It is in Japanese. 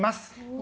お。